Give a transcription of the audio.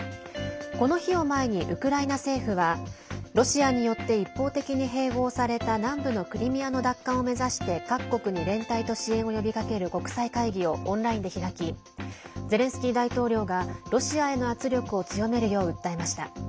この日を前に、ウクライナ政府はロシアによって一方的に併合された南部のクリミアの奪還を目指して各国に連帯と支援を呼びかける国際会議をオンラインで開きゼレンスキー大統領がロシアへの圧力を強めるよう訴えました。